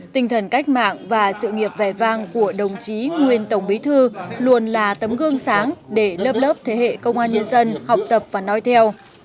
tinh thần cách mạng và sự nghiệp vẻ vang của đồng chí nguyên tổng bí thư luôn là tấm gương sáng để lớp lớp thế hệ công an nhân dân học tập và nói theo